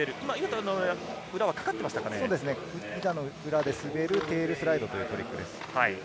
板の裏で滑るテールスライドというトリック。